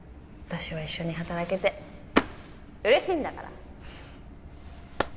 私は一緒に働けて嬉しいんだから！